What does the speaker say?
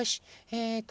えっと